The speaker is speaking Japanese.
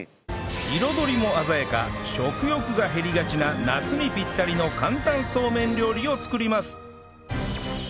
彩りも鮮やか食欲が減りがちな夏にぴったりの簡単そうめん料理を作ります